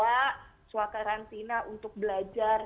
ini adalah pelantinan untuk belajar